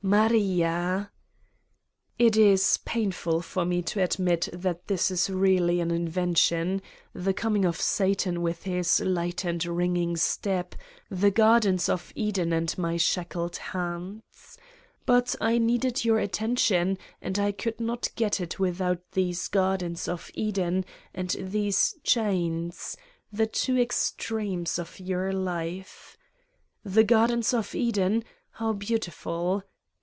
"Maria!" ... It is painful for me to admit that all this is really an invention: the coming of Satan with his "light and ringing step," the gardens of Eden and my shackled hands. But I needed your attention and I could not get it without these gardens of Eden and these chains, the two ex tremes of your life. The gardens of Eden how beautiful